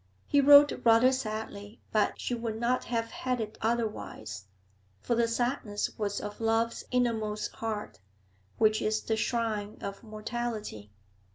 He wrote rather sadly, but she would not have had it otherwise, for the sadness was of love's innermost heart, which is the shrine of mortality.